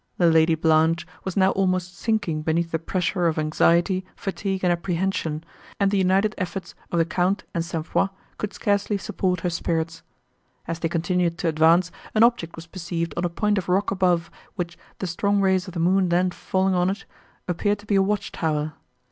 The Lady Blanche was now almost sinking beneath the pressure of anxiety, fatigue and apprehension, and the united efforts of the Count and St. Foix could scarcely support her spirits. As they continued to advance, an object was perceived on a point of rock above, which, the strong rays of the moon then falling on it, appeared to be a watch tower.